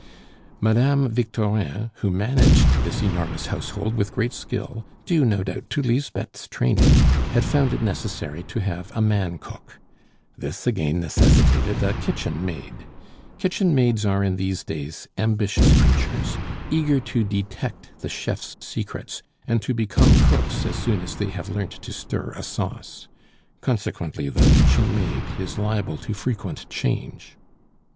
Madame Victorin, who managed this enormous household with great skill, due, no doubt, to Lisbeth's training, had found it necessary to have a man cook. This again necessitated a kitchen maid. Kitchen maids are in these days ambitious creatures, eager to detect the chef's secrets, and to become cooks as soon as they have learnt to stir a sauce. Consequently, the kitchen maid is liable to frequent change.